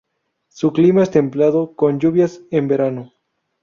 Su clima es templado, con lluvias en verano.